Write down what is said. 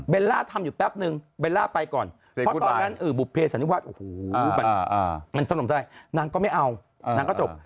ล่าทำอยู่แป๊บนึงเบลล่าไปก่อนเพราะตอนนั้นบุภเพสันนิวาสโอ้โหมันถล่มทลายนางก็ไม่เอานางก็จบ